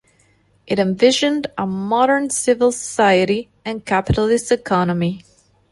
It envisioned a modern civil society and capitalist economy.